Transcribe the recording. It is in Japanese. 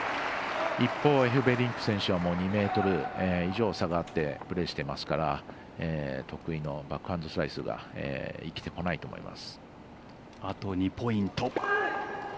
一方、エフベリンク選手は２ｍ以上下がってプレーしていますから得意のバックハンドスライスが生きてこないと思います。